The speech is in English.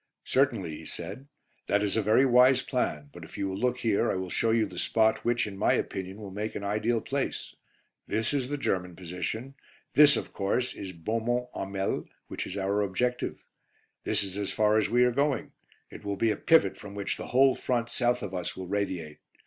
"Certainly," he said, "that is a very wise plan, but if you will look here I will show you the spot which, in my opinion, will make an ideal place. This is the German position. This, of course, is Beaumont Hamel, which is our objective. This is as far as we are going; it will be a pivot from which the whole front south of us will radiate.